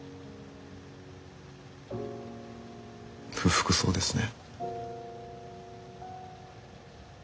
不服そうですね。